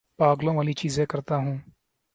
پاگلوں والی چیزیں کرتا ہوں